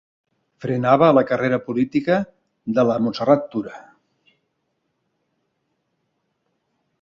Frenava la carrera política de la Montserrat Tura.